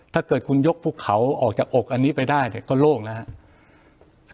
ถ้าเกิดคุณยกภูเขาออกจากอกอันนี้ไปได้เนี่ยก็โล่งแล้วครับ